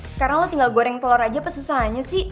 sekarang lo tinggal goreng telur aja apa susahnya sih